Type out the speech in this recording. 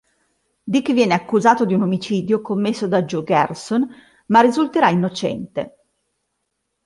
Dick viene accusato di un omicidio commesso da Joe Garson, ma risulterà innocente.